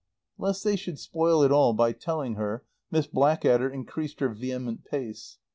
Lest they should spoil it all by telling her Miss Blackadder increased her vehement pace.